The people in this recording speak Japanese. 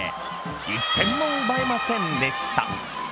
１点も奪えませんでした。